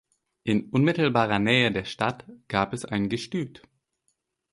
In unmittelbarer Nähe der Stadt gab es ein Gestüt.